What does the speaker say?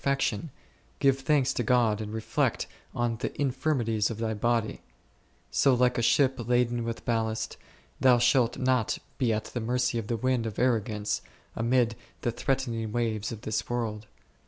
fection, give thanks to God and reflect on the in firmities of thy body; so, like a ship laden with ballast, thou shalt not be at the mercy of the wind of arrogance, amid the threatening waves of this world.